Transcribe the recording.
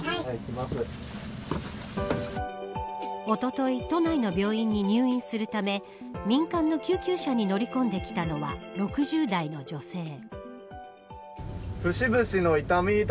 おととい都内の病院に入院するため民間の救急車に乗り込んできたのは６０代の女性。